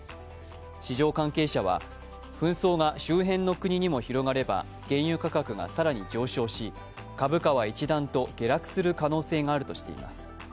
市場関係者は、紛争が周辺の国にも広がれば原油価格が更に上昇し、株価は一段と、下落する可能性があるとしています。